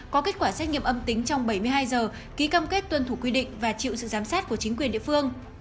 có kết quả xét nghiệm âm tính trong bảy mươi hai giờ ký cam kết tuân thủ quy định và chịu sự giám sát của chính quyền địa phương